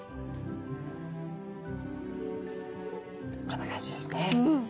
こんな感じですね。